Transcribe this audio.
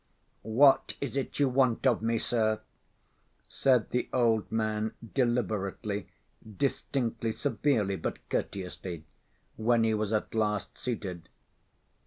"What is it you want of me, sir?" said the old man, deliberately, distinctly, severely, but courteously, when he was at last seated.